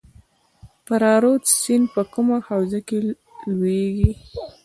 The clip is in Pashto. فرا رود سیند په کومه حوزه کې لویږي؟